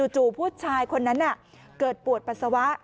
ผู้ชายคนนั้นเกิดปวดปัสสาวะ